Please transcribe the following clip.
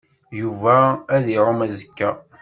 Yuba ad iɛum azekka.